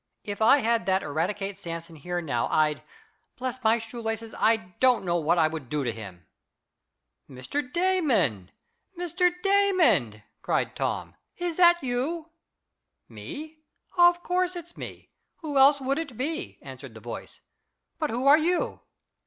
If I had that Eradicate Sampson here now I'd bless my shoelaces I don't know what I would do to him." "Mr. Damon! Mr. Damon!" cried Tom. "Is that you?" "Me? Of course it's me! Who else would it be?" answered the voice. "But who are you.